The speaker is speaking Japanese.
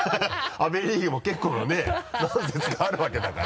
阿部リーグも結構なね何節かあるわけだから。